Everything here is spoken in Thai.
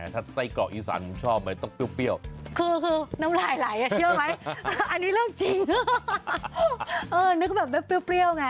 ถ้าไส้กรอกอีสานผมชอบไหมต้องเปรี้ยวคือน้ำลายไหลเชื่อไหมอันนี้เรื่องจริงนึกแบบไม่เปรี้ยวไง